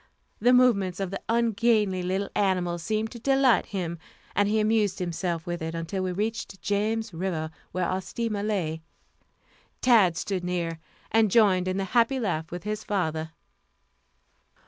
The movements of the ungainly little animal seemed to delight him, and he amused himself with it until we reached James River, where our steamer lay. Tad stood near, and joined in the happy laugh with his father.